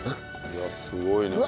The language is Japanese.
いやすごいねこれ。